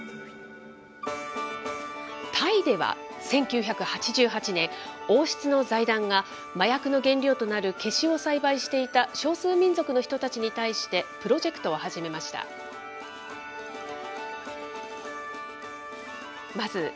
タイでは、１９８８年、王室の財団が、麻薬の原料となるケシを栽培していた少数民族の人たちに対して、プロジェクトを始めました。